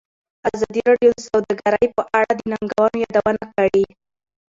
ازادي راډیو د سوداګري په اړه د ننګونو یادونه کړې.